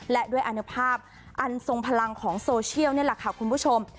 และด้วยอาณภาพอันทรงพลังของโซเชียลนี่แหละค่ะคุณผู้ชม